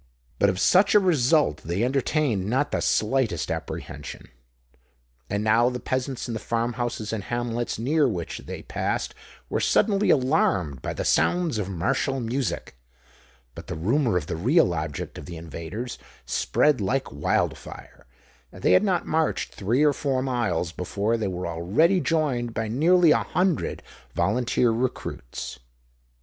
But of such a result they entertained not the slightest apprehension. And now the peasants in the farm houses and hamlets near which they passed, were suddenly alarmed by the sounds of martial music: but the rumour of the real object of the invaders spread like wild fire; and they had not marched three or four miles, before they were already joined by nearly a hundred volunteer recruits.